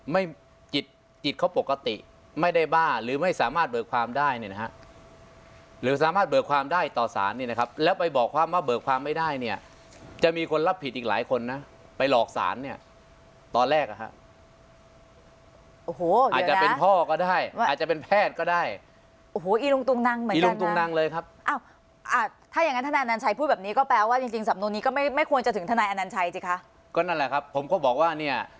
ไม่จิตจิตเขาปกติไม่ได้บ้าหรือไม่สามารถเบิกความได้เนี่ยนะฮะหรือสามารถเบิกความได้ต่อศาลนี่นะครับแล้วไปบอกความว่าเบิกความไม่ได้เนี่ยจะมีคนรับผิดอีกหลายคนนะไปหลอกศาลเนี่ยตอนแรกอะฮะโอ้โหอาจจะเป็นพ่อก็ได้อาจจะเป็นแพทย์ก็ได้โอ้โหอีลุงตุงนั่งเหมือนกันอีลุงตุงนั่งเลยครับอ้า